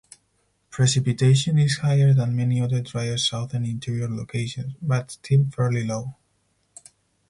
Precipitation is higher than many other drier Southern Interior locations, but still fairly low.